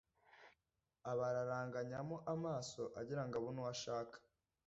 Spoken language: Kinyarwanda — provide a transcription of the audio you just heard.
Abararanganyamo amaso agira ngo abone uwo ashaka